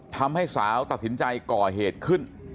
ทำให้สาวตัดสินใจก่อเหตุขึ้น